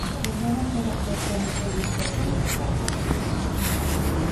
Su hermano fue el actor cómico Luis García Bosch.